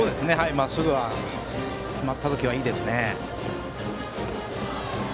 まっすぐは決まった時はいいですね。